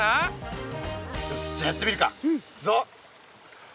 よしじゃやってみるかいくぞ！